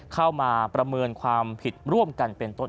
ประเมินความผิดร่วมกันเป็นต้น